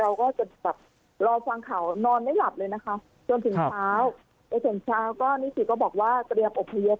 เราก็จะแบบรอฟังข่าวนอนไม่หลับเลยนะคะจนถึงเช้าจนถึงเช้าก็นิสิตก็บอกว่าเตรียมอบพยพ